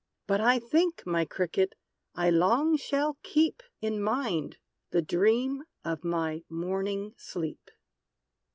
But I think, my Cricket, I long shall keep In mind the dream of my morning sleep!